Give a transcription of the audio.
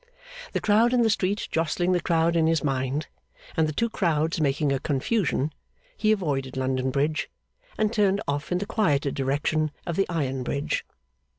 The crowd in the street jostling the crowd in his mind, and the two crowds making a confusion, he avoided London Bridge, and turned off in the quieter direction of the Iron Bridge.